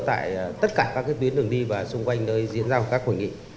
tại tất cả các cái tuyến đường đi và xung quanh nơi diễn ra các hội nghị